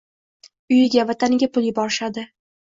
Uyiga, vataniga pul yuborishadi.